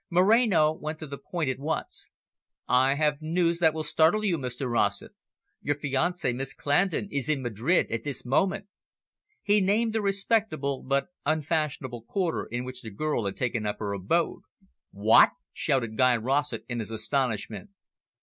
Moreno went to the point at once. "I have news that will startle you, Mr Rossett. Your fiancee Miss Clandon, is in Madrid at this moment." He named the respectable but unfashionable quarter in which the girl had taken up her abode. "What?" shouted Guy Rossett in his astonishment.